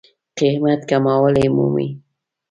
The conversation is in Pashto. قېمت کموالی مومي.